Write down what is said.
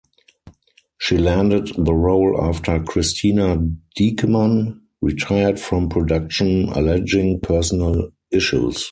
She landed the role after Christina Dieckmann retired from production alleging personal issues.